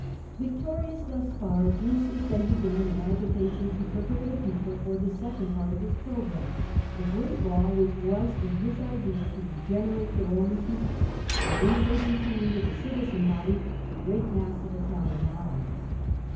Victorious thus far, Drusus then began an agitation to prepare the people for the second part of his programme, the great law which was, in his idea, to regenerate the Roman people, by introducing into the citizen body the great mass of Italian allies.